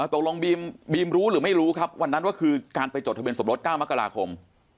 ตกลงบีมรู้หรือไม่รู้ครับวันนั้นว่าคือการไปจดทะเบียนสมรส๙มกราคม